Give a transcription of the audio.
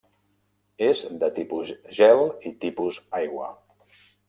És de tipus gel i tipus aigua.